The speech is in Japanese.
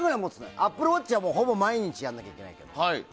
アップルウォッチはほぼ毎日やらないといけないけど。